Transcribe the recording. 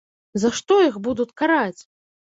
За што іх будуць караць?